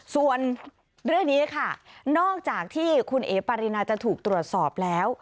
ส่วนเรื่องนี้ค่ะนอกจากที่คุณเอ๋ปารินาจะถูกตรวจสอบแล้ว